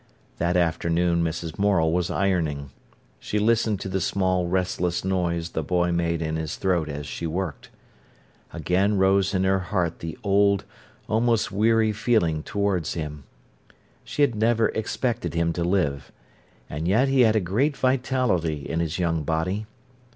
That afternoon Mrs. Morel was ironing. She listened to the small, restless noise the boy made in his throat as she worked. Again rose in her heart the old, almost weary feeling towards him. She had never expected him to live. And yet he had a great vitality in his young body.